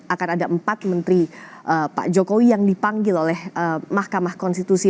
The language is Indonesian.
akan ada empat menteri pak jokowi yang dipanggil oleh mahkamah konstitusi